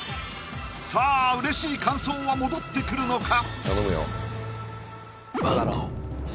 さあうれしい感想は戻ってくるのか？